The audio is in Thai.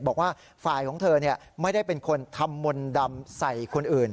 บอกว่าฝ่ายของเธอไม่ได้เป็นคนทำมนต์ดำใส่คนอื่น